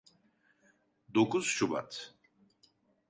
Dokuz Şubat.